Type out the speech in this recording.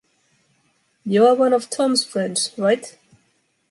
You are one of Tom’s friends, right?